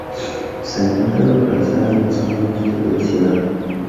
Se encuentra localizada en la zona norte de la ciudad.